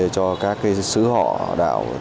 cho các sứ họ đạo